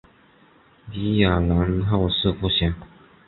李雅郎后事不详。